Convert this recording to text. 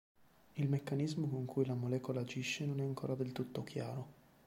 Il meccanismo con cui la molecola agisce non è ancora del tutto chiaro.